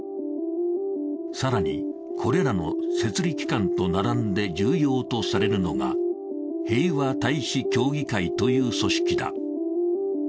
更に、これらの摂理機関と並んで重要とされるのが平和大使協議会という組織だ。